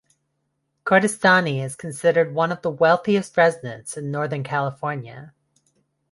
Kordestani is consider one of the wealthiest residents in Northern California.